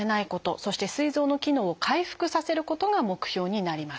そしてすい臓の機能を回復させることが目標になります。